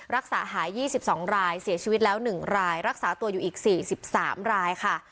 รักษาหายยี่สิบสองรายเสียชีวิตแล้วหนึ่งรายรักษาตัวอยู่อีกสี่สิบสามรายค่ะ